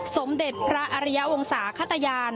สมเด็จพระอริยวงศาขตยาน